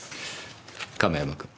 亀山君。